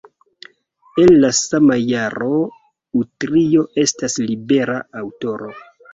El la sama jaro Utrio estas libera aŭtoro.